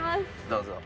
どうぞ。